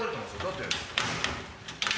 だって。